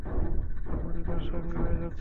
আপনি অপ্রাসঙ্গিক হয়ে যাচ্ছেন।